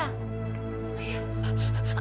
apakah itu hasilnya forever